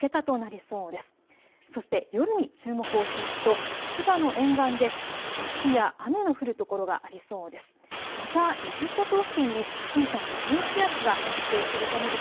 そして夜に注目をしますと千葉の沿岸で雪や雨の降る所がありそうです。